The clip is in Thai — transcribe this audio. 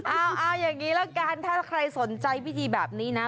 เอาอย่างนี้ละกันถ้าใครสนใจพิธีแบบนี้นะ